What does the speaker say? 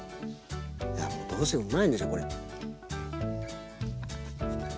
いやもうどうせうまいんでしょこれ。